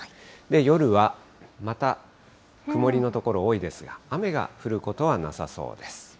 夜はまた曇りの所多いですが、雨が降ることはなさそうです。